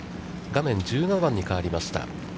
画面、１７番に変わりました。